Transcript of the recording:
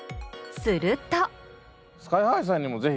すると。